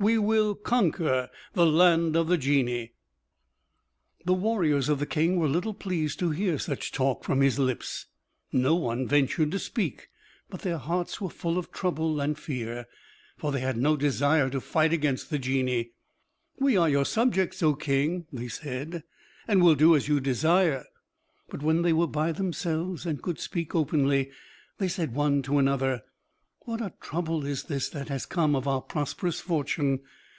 We will conquer the land of Genii." The warriors of the King were little pleased to hear such talk from his lips. No one ventured to speak, but their hearts were full of trouble and fear, for they had no desire to fight against the Genii. "We are your subjects, O King," they said, "and will do as you desire." But when they were by themselves, and could speak openly, they said one to another, "What a trouble is this that has come of our prosperous fortune!